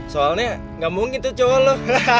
soalnya gak mungkin tuh cowok lo